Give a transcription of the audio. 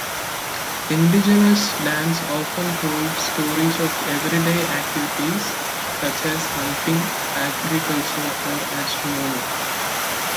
Indigenous dance often told stories of everyday activities such as hunting, agriculture, or astronomy.